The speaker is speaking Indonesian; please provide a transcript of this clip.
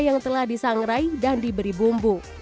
yang telah disangrai dan diberi bumbu